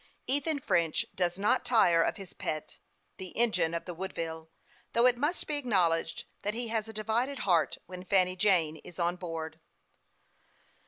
Ethan French does not tire of his pet, the engine of the Woodville, though it must be acknowledged that he has a divided heart when Fanny Jane is on board.